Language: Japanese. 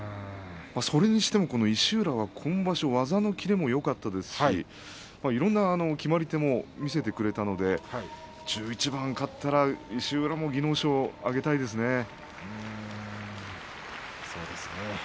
それにしても石浦は今場所技の切れもよかったですしいろいろな決まり手を見せてくれたので１１番勝ったら石浦も技能賞をあげたいですね。